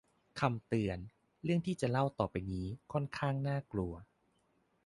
คำเตือน : เรื่องที่จะเล่าต่อไปนี้ค่อนข้างน่ากลัว